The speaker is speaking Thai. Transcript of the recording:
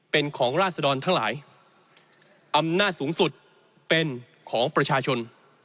เป็นของราศดรทั้งหลายอำนาจสูงสุดเป็นของประชาชน